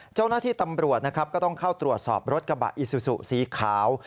เจ้าหน้าที่ตำรวจนะครับก็ต้องเข้าตรวจสอบรถกระบะอิซูซูสีขาว